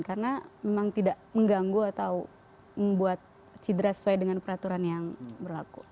karena memang tidak mengganggu atau membuat cedera sesuai dengan peraturan yang berlaku